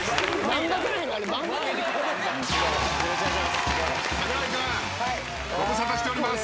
よろしくお願いします。